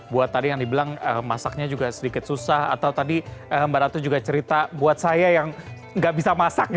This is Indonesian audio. buat tadi yang dibilang masaknya juga sedikit susah atau tadi mbak ratu juga cerita buat saya yang nggak bisa masak ya